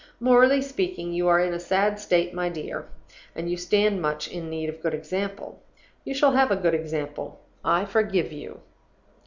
Morally speaking, you are in a sad state, my dear; and you stand much in need of a good example. You shall have a good example I forgive you.